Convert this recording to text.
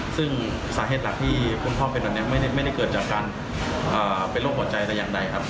ซึ่งสาเหตุหลักที่คุณพ่อเป็นแบบนี้ไม่ได้เกิดจากการเป็นโรคหัวใจแต่อย่างใดครับ